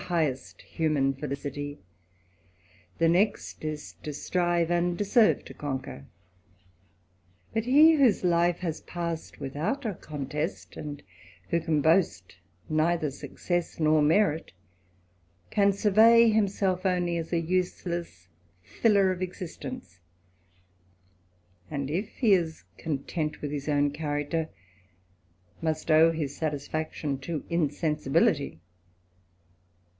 highest human felicity \ the next is to strive, and deserve t ^ conquer ; but he whose life has passed without a conte and who can boast neither success nor merit, can surv^J himself only as a useless filler of existence ; and if he is content with his own character, must owe his satis&ction ^o insensibility.